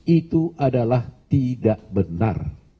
itu adalah tidak benar